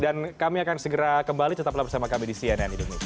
dan kami akan segera kembali tetaplah bersama kami di cnn indonesia